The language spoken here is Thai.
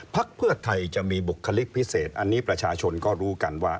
พักเพื่อไทยจะมีบุคลิกพิเศษอันนี้ประชาชนก็รู้กันว่า